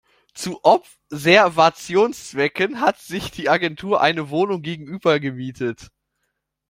Zu Observationszwecken hat sich die Agentur eine Wohnung gegenüber gemietet.